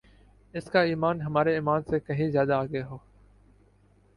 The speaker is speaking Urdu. اس کا ایمان ہمارے ایمان سے کہین زیادہ آگے ہو